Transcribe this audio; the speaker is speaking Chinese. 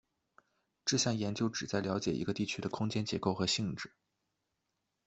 这项研究旨在了解一个地区的空间结构和性质。